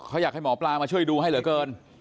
เขาอยากให้หมอปลามาช่วยดูให้เหลือเกิน